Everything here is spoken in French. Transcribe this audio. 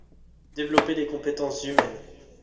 Développer les compétences humaines.